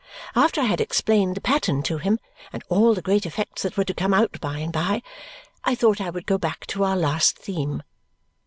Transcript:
After I had explained the pattern to him and all the great effects that were to come out by and by, I thought I would go back to our last theme.